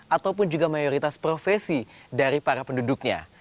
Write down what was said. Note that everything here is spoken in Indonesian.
ataupun juga mayoritas profesi dari para penduduknya